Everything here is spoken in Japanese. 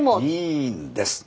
いいんです。